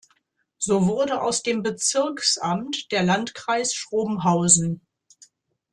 So wurde aus dem Bezirksamt der Landkreis Schrobenhausen.